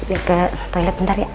ya ke toilet bentar ya